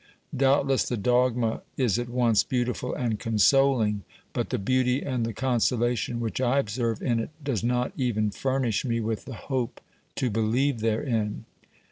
Doubtless the dogma is at once beautiful and consoling, but the beauty and the consola tion which I observe in it does not even furnish me with the hope to believe therein.